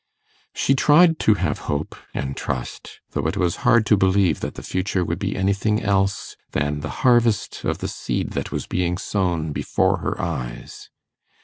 She tried to have hope and trust, though it was hard to believe that the future would be anything else than the harvest of the seed that was being sown before her eyes.